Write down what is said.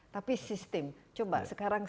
tapi sistem coba sekarang